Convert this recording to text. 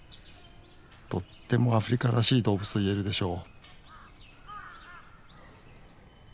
とってもアフリカらしい動物といえるでしょう